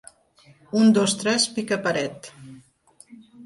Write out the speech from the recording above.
Un, dos, tres, pica paret!